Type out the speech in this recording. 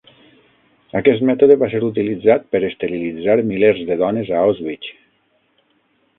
Aquest mètode va ser utilitzat per esterilitzar milers de dones a Auschwitz.